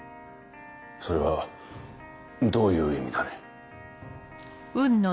それはどういう意味だね？